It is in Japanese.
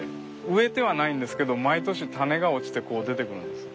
植えてはないんですけど毎年種が落ちてこう出てくるんです。